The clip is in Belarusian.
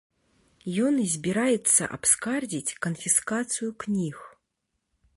Ён збіраецца абскардзіць канфіскацыю кніг.